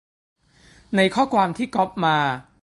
ในข้อความที่ก๊อปมา